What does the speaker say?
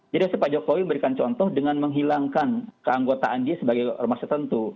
jadi pak jokowi memberikan contoh dengan menghilangkan keanggotaan dia sebagai ormas tertentu